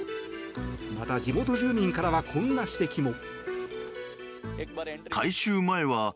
また、地元住民からはこんな指摘も。